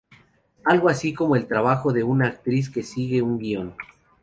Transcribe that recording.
Algo así como el trabajo de una actriz que sigue un guion.